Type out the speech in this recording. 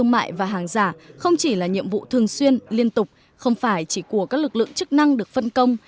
nhưng cũng là nhiệm vụ thường xuyên liên tục không phải chỉ của các lực lượng chức năng được phân công